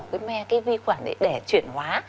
cái me cái vi khuẩn để chuyển hóa